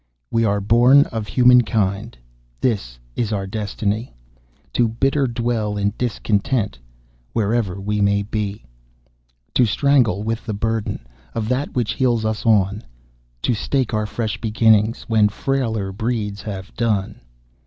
"We are born of Humankind This our destiny: To bitter dwell in discontent Wherever we may be. "_To strangle with the burden Of that which heels us on. To stake our fresh beginnings When frailer breeds have done.